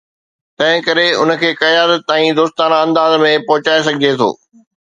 تنهن ڪري ان کي قيادت تائين دوستانه انداز ۾ پهچائي سگهجي ٿو.